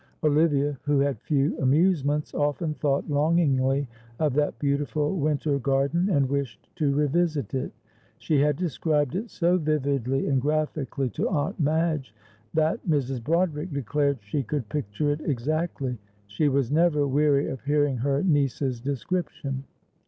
Olivia, who had few amusements, often thought longingly of that beautiful winter garden, and wished to revisit it. She had described it so vividly and graphically to Aunt Madge, that Mrs. Broderick declared she could picture it exactly. She was never weary of hearing her niece's description.